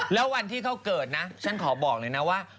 แล้ววันที่เขาเกิดนะฉันขอบอกเลยนะว่า